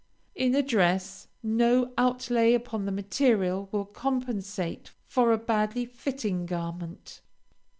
In a dress, no outlay upon the material will compensate for a badly fitting garment.